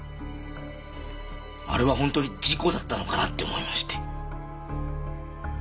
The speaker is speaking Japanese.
あれは本当に事故だったのかな？って思いまして。